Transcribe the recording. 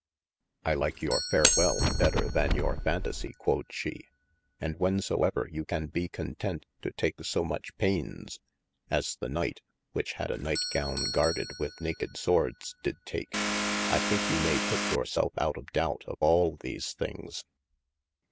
I like your farewell better than your fantasie (quod she) and whensoever you can be content to take somuch paynes, as the Knight (which had a night gowne garded with naked swordes) dyd take, I thinke you maye put your selfe out of doubt of all these thynges.